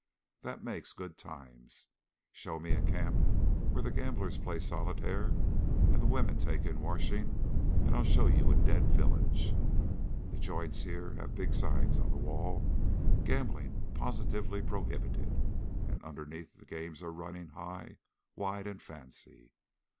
That makes good times. Show me a camp where the gamblers play solitaire and the women take in washing and I'll show you a dead village. The joints here have big signs on the wall, 'Gambling Positively Prohibited,' and underneath the games are running high, wide, and fancy.